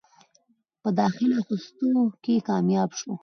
پۀ داخله اخستو کښې کامياب شو ۔